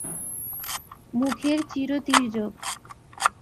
মুখের চির তির্যক।